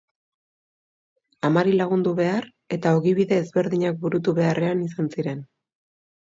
Amari lagundu behar eta, ogibide ezberdinak burutu beharrean izan ziren.